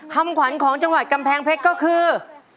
คำขวัญของจังหวัดกำแพงเพชรก็คือ